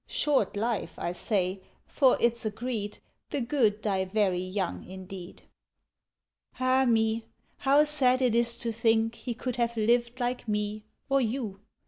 ("Short life" I say, for it's agreed The Good die very young indeed.) Ah me! How sad it is to think He could have lived like me or you!